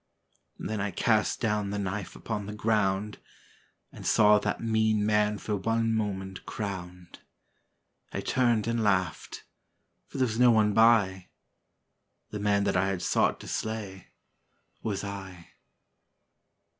Then I cast down the knife upon the ground And saw that mean man for one moment crowned. I turned and laughed: for there was no one by The man that I had sought to slay was I.